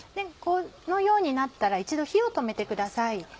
このようになったら一度火を止めてください。